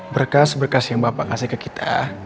berkas berkas yang bapak kasih ke kita